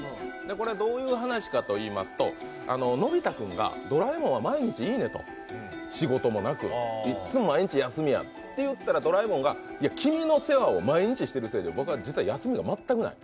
どういう話かといいますと、のび太君がドラえもんは毎日いいねと、仕事もなく、いつも毎日休みやんっていったらドラえもんが、いや、君の世話を毎日しているせいで僕は実は休みが全くない。